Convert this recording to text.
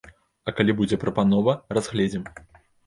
А калі будзе прапанова, разгледзім.